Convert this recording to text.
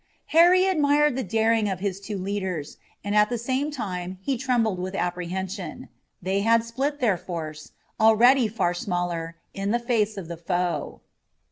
Harry admired the daring of his two leaders, and at the same time he trembled with apprehension. They had split their force, already far smaller, in the face of the foe.